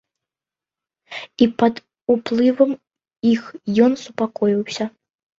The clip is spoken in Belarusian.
І пад уплывам іх ён супакоіўся.